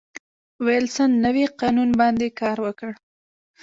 وېلسن نوي قانون باندې کار وکړ.